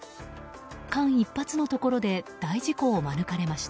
間一髪のところで大事故を免れました。